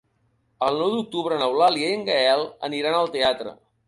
El nou d'octubre n'Eulàlia i en Gaël aniran al teatre.